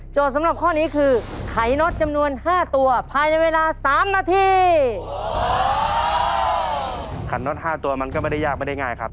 ถ้าห้าตัวมันก็ไม่ได้ยากไม่ได้ง่ายครับ